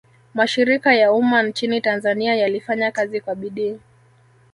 mashirika ya umma nchini tanzania yalifanya kazi kwa bidii